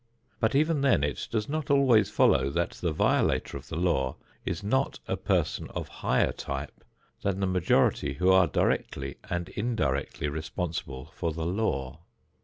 But even then it does not always follow that the violator of the law is not a person of higher type than the majority who are directly and indirectly responsible for the law.